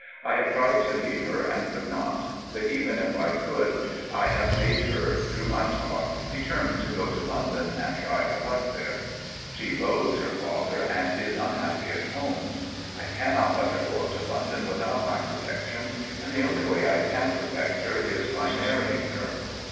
I have tried to leave her and could not, but even if I could I have made her, through my talk, determined to go to London and try her luck there. She loathes her father and is unhappy at home. I cannot let her go up to London without any protection, and the only way I can protect her is by marrying her.